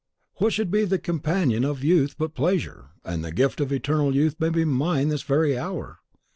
What should be the companion of youth but pleasure? And the gift of eternal youth may be mine this very hour!